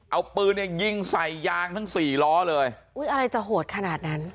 เอาปืนเนี่ยยิงใส่ยางทั้งสี่ล้อเลยอุ้ยอะไรจะโหดขนาดนั้น